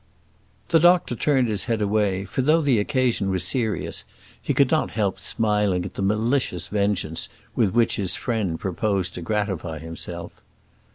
The doctor turned his head away; for though the occasion was serious, he could not help smiling at the malicious vengeance with which his friend proposed to gratify himself.